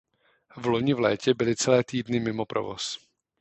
Vloni v létě byl celé týdny mimo provoz.